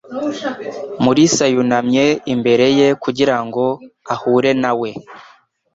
Mulisa yunamye imbere ye kugira ngo ahure na we.